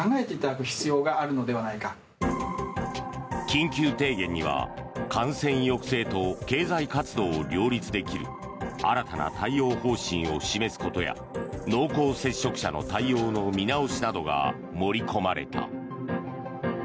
緊急提言には感染抑制と経済活動を両立できる新たな対応方針を示すことや濃厚接触者の対応の見直しなどが盛り込まれた。